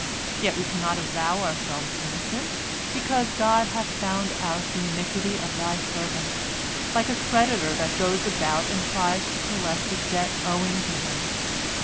Yet we cannot avow ourselves innocent, because God hath found out the iniquity of thy servants, like a creditor that goes about and tries to collect a debt owing to him.